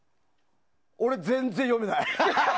俺、全然読めない。